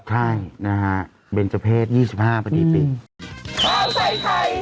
ใช่นะฮะเบนเจอร์เพศยี่สิบห้าประดีติ